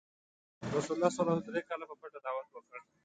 رسول الله ﷺ دری کاله په پټه دعوت وکړ.